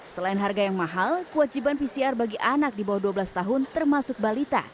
selain harga yang mahal kewajiban pcr bagi anak di bawah dua belas tahun termasuk balita